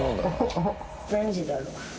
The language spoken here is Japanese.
何時だろう？